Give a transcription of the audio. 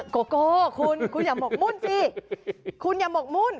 โกโก้คุณคุณอย่าหมกมุ่นสิคุณอย่าหมกมุ่น